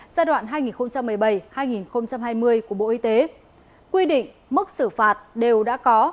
giai đoạn hai nghìn một mươi bảy hai nghìn hai mươi của bộ y tế quy định mức xử phạt đều đã có